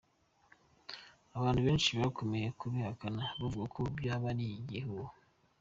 Abantu benshi bakomeje kubihakana bavuga ko byaba ari igihuha.